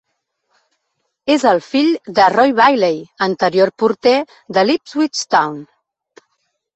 És el fill de Roy Bailey, anterior porter de l'Ipswich Town.